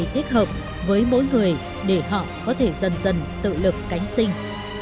thích hợp với mỗi người để họ có thể dần dần tự lực cánh sinh